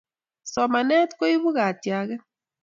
Somanet koipu katiaket